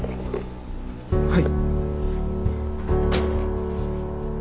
はい。